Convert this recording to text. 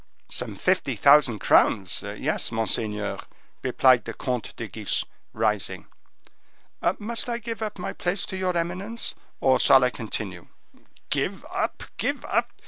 "Some fifty thousand crowns; yes, monseigneur," replied the Comte de Guiche, rising. "Must I give up my place to your eminence, or shall I continue?" "Give up! give up!